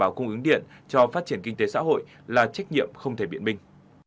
và bảo cung ứng điện cho phát triển kinh tế xã hội là trách nhiệm không thể biện bình